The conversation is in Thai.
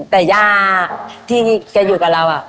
แต่ย่าที่แกอยู่กับเรา